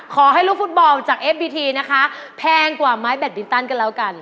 ขอให้ลูกฟุตบอลจากเอฟบีทีนะคะแพงกว่าไม้แบตมินตันก็แล้วกัน